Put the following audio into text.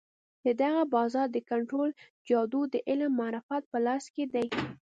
د دغه بازار د کنترول جادو د علم او معرفت په لاس کې دی.